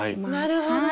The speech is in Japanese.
なるほど。